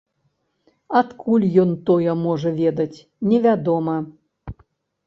Адкуль ён тое можа ведаць, невядома.